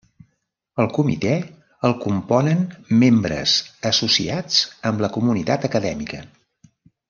El comitè el componen membres associats amb la comunitat acadèmica.